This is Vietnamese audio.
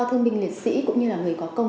thương binh liệt sĩ cũng như là người có công